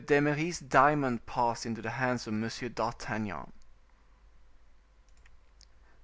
d'Eymeris's Diamond passed into the Hands of M. d'Artagnan.